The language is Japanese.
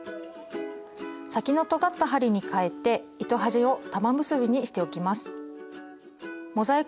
先のとがった針にかえて糸端を玉結びにしておきます。